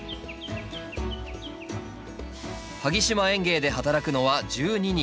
萩島園芸で働くのは１２人。